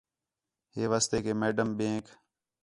ہے واسطے کہ میڈم ٻئینک